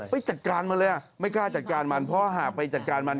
ไปจัดการมันเลยอ่ะไม่กล้าจัดการมันเพราะหากไปจัดการมัน